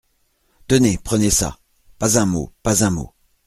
Tenez, prenez ça ! pas un mot ! pas un mot !